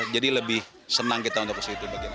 lebih senang kita untuk ke situ